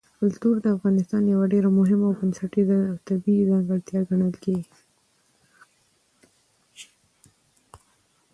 کلتور د افغانستان یوه ډېره مهمه او بنسټیزه طبیعي ځانګړتیا ګڼل کېږي.